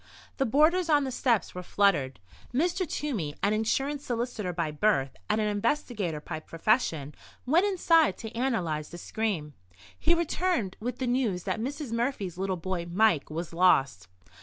The boarders on the steps were fluttered. Mr. Toomey, an insurance solicitor by birth and an investigator by profession, went inside to analyse the scream. He returned with the news that Mrs. Murphy's little boy, Mike, was lost.